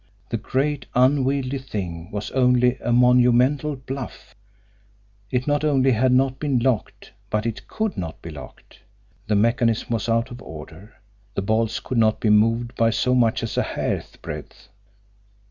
The great, unwieldy thing was only a monumental bluff! It not only had not been locked, but it COULD NOT be locked the mechanism was out of order, the bolts could not be moved by so much as a hair's breadth!